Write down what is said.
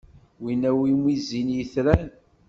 Wina iwumi zzin itran.